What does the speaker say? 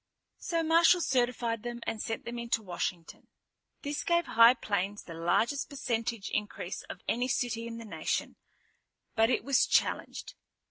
So Marshal certified them and sent them into Washington. This gave High Plains the largest percentage increase of any city in the nation, but it was challenged.